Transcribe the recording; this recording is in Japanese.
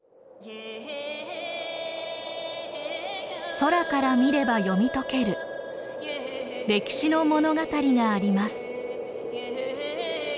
空から見れば読み解ける歴史の物語があります。